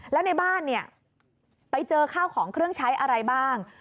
แล้วในบ้านเนี่ยไปเจอข้าวของเครื่องใช้อะไรบ้าง